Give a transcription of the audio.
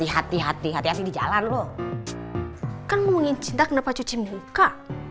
hati hati hati di jalan loh kan ngomongin cinta kenapa cuci muka